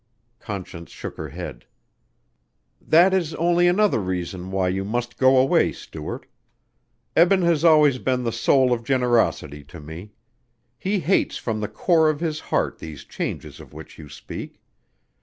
Conscience shook her head. "That is only another reason why you must go away, Stuart. Eben has always been the soul of generosity to me. He hates from the core of his heart these changes of which you speak.